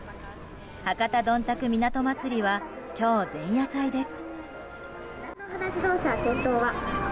博多どんたく港まつりは今日、前夜祭です。